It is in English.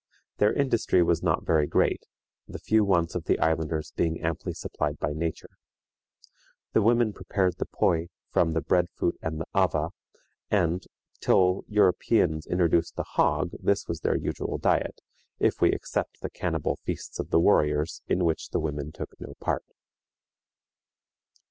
Their industry was not very great, the few wants of the islanders being amply supplied by nature. The women prepared the poe from the bread fruit and the ava, and, till Europeans introduced the hog, this was their usual diet, if we except the cannibal feasts of the warriors, in which the women took no part.